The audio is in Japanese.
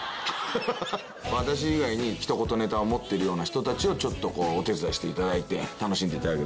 私以外にひと言ネタを持ってるような人たちをちょっとこうお手伝いしていただいて。